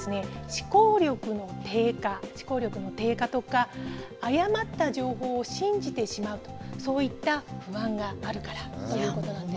思考力の低下、思考力の低下とか誤った情報を信じてしまうそういった不安があるからということなんです。